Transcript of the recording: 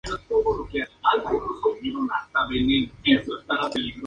Se requiere hacer estudios para determinar su potencial explotación.